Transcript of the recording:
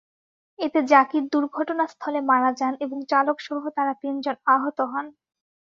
এতে জাকির দুর্ঘটনাস্থলে মারা যান এবং চালকসহ তাঁরা তিনজন আহত হন।